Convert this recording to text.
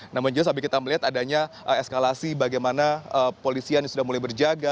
namun juga sambil kita melihat adanya eskalasi bagaimana polisian yang sudah mulai berjaga